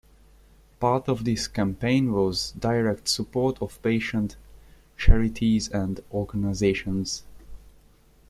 Part of this campaign was direct support of patient charities and organisations.